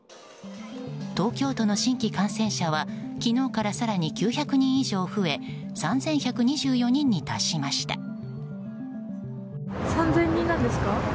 東京都の新規感染者は昨日から更に９００人以上増え３１２４人に達しました。